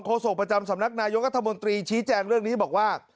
โศกประจำสำนักนายกรัฐมนตรีชี้แจงเรื่องนี้บอกว่า